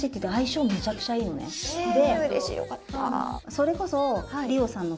それこそ。